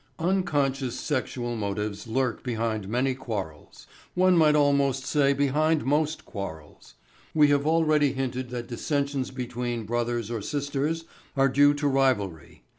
Unconscious sexual motives lurk behind many quarrels, one might almost say behind most quarrels. We have already hinted that dissensions between brothers or sisters are due to rivalry.